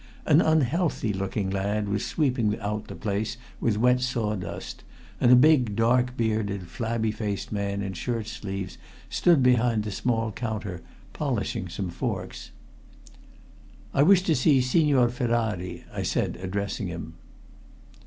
An unhealthy looking lad was sweeping out the place with wet saw dust, and a big, dark bearded, flabby faced man in shirt sleeves stood behind the small counter polishing some forks. "I wish to see Signor Ferrari," I said, addressing him.